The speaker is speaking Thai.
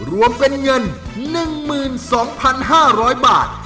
รวมเป็นเงิน๑๒๕๐๐บาท